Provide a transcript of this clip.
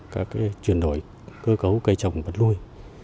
các chuyển đổi cơ cấu cây trồng vật lui